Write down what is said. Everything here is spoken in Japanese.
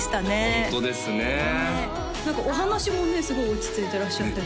ホントですねねえ何かお話もすごい落ち着いてらっしゃってね